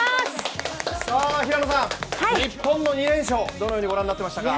平野さん、日本の２連勝、どのようにご覧になってましたか。